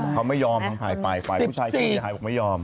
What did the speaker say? เธอไม่ยอมฟ้ายถ้าฮ่ายไม่ยอม